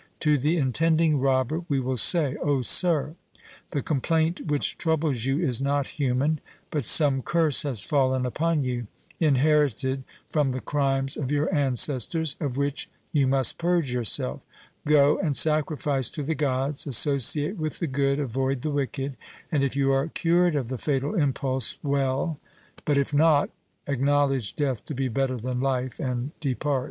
To the intending robber we will say O sir, the complaint which troubles you is not human; but some curse has fallen upon you, inherited from the crimes of your ancestors, of which you must purge yourself: go and sacrifice to the Gods, associate with the good, avoid the wicked; and if you are cured of the fatal impulse, well; but if not, acknowledge death to be better than life, and depart.